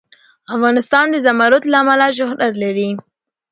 افغانستان د زمرد له امله شهرت لري.